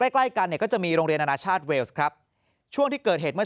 ใกล้ใกล้กันเนี่ยก็จะมีโรงเรียนอนาชาติเวลส์ครับช่วงที่เกิดเหตุเมื่อ